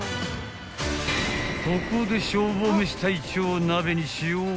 ［ここで消防めし隊長鍋に塩をワサ！］